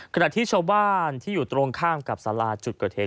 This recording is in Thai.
ขนาดที่ชาวบ้านที่อยู่ตรงข้ามกับสลาจุดกฎเทค